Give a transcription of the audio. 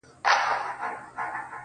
ما دي ویلي کله قبر نایاب راکه.